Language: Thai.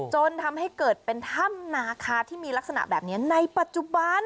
จนทำให้เกิดเป็นถ้ำนาคาที่มีลักษณะแบบนี้ในปัจจุบัน